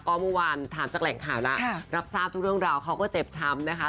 ก็เมื่อวานถามจากแหล่งข่าวแล้วรับทราบทุกเรื่องราวเขาก็เจ็บช้ำนะคะ